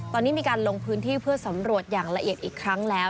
ตอนนี้มีการลงพื้นที่เพื่อสำรวจอย่างละเอียดอีกครั้งแล้ว